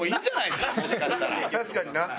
確かにな。